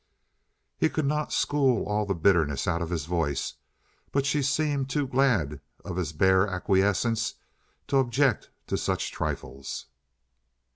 He could not school all the bitterness out of his voice, but she seemed too glad of his bare acquiescence to object to such trifles.